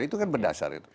itu kan berdasar